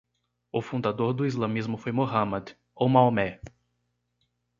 O fundador do islamismo foi Mohammad, ou Maomé